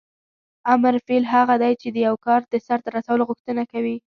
امر فعل هغه دی چې د یو کار د سرته رسولو غوښتنه کوي.